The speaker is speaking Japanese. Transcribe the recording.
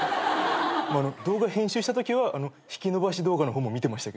動画編集したときは引き延ばし動画の方も見てました。